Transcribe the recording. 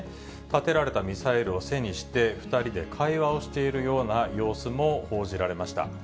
立てられたミサイルを背にして、２人で会話をしているような様子も報じられました。